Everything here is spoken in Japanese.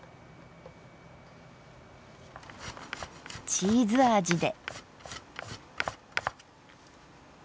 チーズ味で。